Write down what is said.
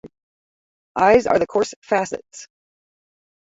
Eyes are with coarse facets.